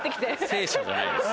聖書じゃないです。